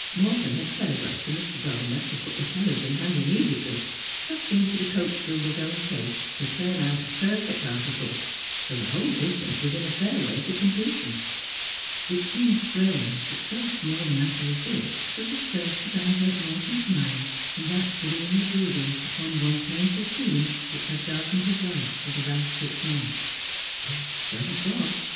Morton had telegraphed to Mr. Dulliner to put the carriage in hand immediately, trusting to the coachbuilder's own taste to turn out a perfect article, so the whole business was in a fair way to completion. It seemed strange that so small a matter as this should have served to divert Morton's mind from that gloomy brooding upon one painful theme which had darkened his life for the last six months. Yet so it was.